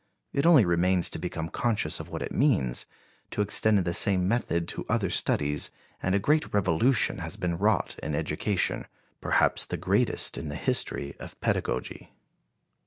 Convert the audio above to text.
It only remains to become conscious of what it means, to extend the same method to other studies and a great revolution has been wrought in education, perhaps the greatest in the history of pedagogy.